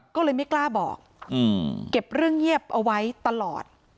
ก็เลยไม่กล้าบอกเก็บเรื่องเงียบเอาไว้ตลอด